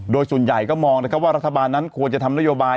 โดยส่วนใหญ่ก็มองนะครับว่ารัฐบาลนั้นควรจะทำนโยบาย